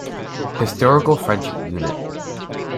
Historical French unit.